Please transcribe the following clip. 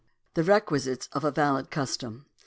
The Requisites of a Valid Custom.